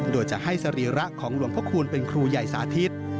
โดยจะให้สรีระของหลวงพระคูณเป็นครูใหญ่สาธิต